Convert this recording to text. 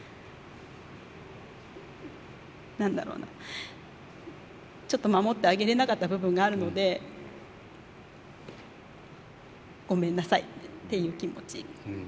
何だろうなちょっと守ってあげれなかった部分があるのでごめんなさいっていう気持ち。